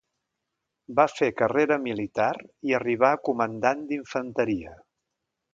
Va fer carrera militar i arribà a comandant d'infanteria.